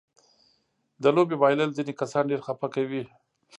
د لوبې بایلل ځينې کسان ډېر خپه کوي.